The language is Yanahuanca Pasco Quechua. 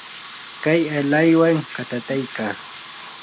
kay alaywan katataykaa.